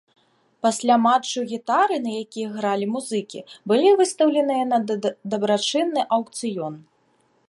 Пасля матчу гітары, на якіх гралі музыкі, былі выстаўленыя на дабрачынны аўкцыён.